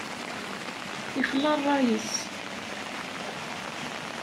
Ixla ṛṛay-is.